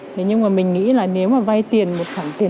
thế nhưng mà mình nghĩ là nếu mà vay tiền một khoản tiền